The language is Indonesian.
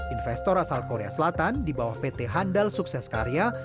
investor asal korea selatan di bawah pt handal sukses karya